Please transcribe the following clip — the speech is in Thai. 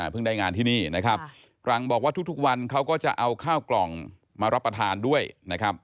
ได้งานที่นี่นะครับตรังบอกว่าทุกวันเขาก็จะเอาข้าวกล่องมารับประทานด้วยนะครับ